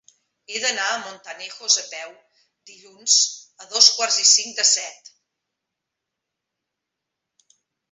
He d'anar a Montanejos a peu dilluns a dos quarts i cinc de set.